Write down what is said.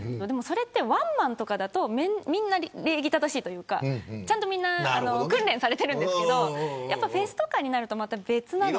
ワンマンとかだとみんな礼儀正しいというかちゃんとみんな訓練されてるんですけどフェスとかになるとまた別なんで。